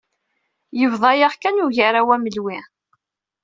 Yebḍa-aɣ kan Ugaraw Amelwi.